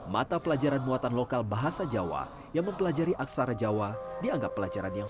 mata pelajaran muatan lokal bahasa jawa yang mempelajari aksara jawa dianggap pelajaran yang